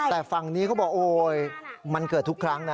แต่ฝั่งนี้เขาบอกโอ๊ยมันเกิดทุกครั้งนะ